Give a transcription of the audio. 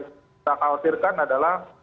kita khawatirkan adalah